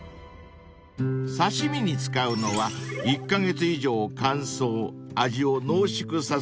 ［刺し身に使うのは１カ月以上乾燥味を濃縮させた